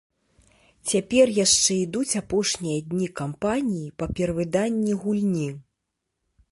Цяпер яшчэ ідуць апошнія дні кампаніі па перавыданні гульні.